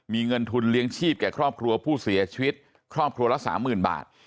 มีเงินทุนเลี้ยงชีพแก่ครอบครัวผู้เสียชีวิตครอบครัวละสามหมื่นบาท